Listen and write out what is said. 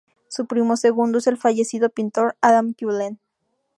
Su primo segundo es el fallecido pintor Adam Cullen.